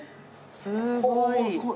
すごい。